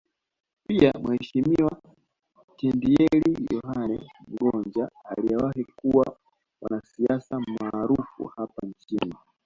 Pia Mheshimiwa Chediel Yohane Mgonja aliyewahi kuwa mwanasiasa maarufu hapa nchini